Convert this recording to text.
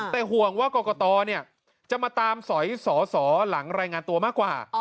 แต่ห่วงว่ากรกตจะมาตามสอยสอสอหลังรายงานตัวมากกว่า